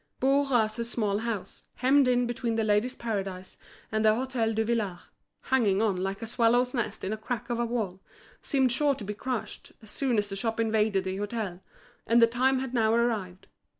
Bourras's small house, hemmed in between The Ladies' Paradise and the Hôtel Duvillard, hanging on like a swallow's nest in a crack of a wall, seemed sure to be crushed, as soon as the shop invaded the hôtel, and the time had now arrived.